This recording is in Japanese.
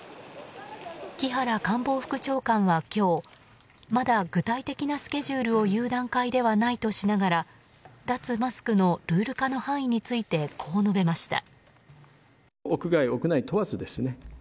木原官房副長官は今日まだ具体的なスケジュールを言う段階ではないとしながら脱マスクのルール化の範囲についてこう述べました。